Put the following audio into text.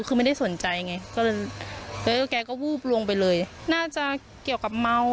คือไม่ได้สนใจไงก็เลยแล้วแกก็วูบลงไปเลยน่าจะเกี่ยวกับเมา